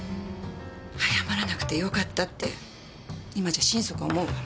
早まらなくて良かったって今じゃ心底思うわ。